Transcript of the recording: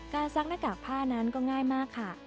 ซักหน้ากากผ้านั้นก็ง่ายมากค่ะ